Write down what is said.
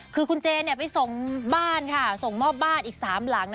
คือคุณเจไปส่งบ้านค่ะส่งมอบบ้านอีก๓หลัง